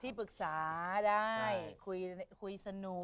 ปรึกษาได้คุยสนุก